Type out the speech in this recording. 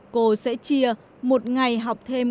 cô sẽ chia một ngày học thêm